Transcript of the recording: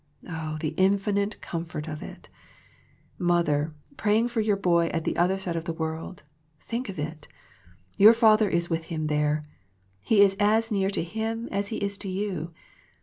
Oh, the infinite comfort of it 1 Mother, praying for your boy at the other side of the world, think of it I Your Father is with him there. He is as near to him as He is to you.